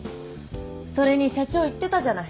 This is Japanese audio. それに社長言ってたじゃない。